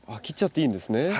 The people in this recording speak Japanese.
切っちゃっていいんですね。